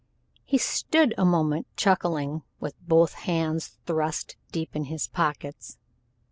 He stood a moment chuckling, with both hands thrust deep in his pockets.